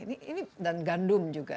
ini dan gandum juga